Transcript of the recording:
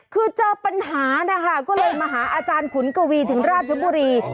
คือเจอปัญหานะคะก็เลยมาหาอาจารย์ขุนกวีถึงราชบุรี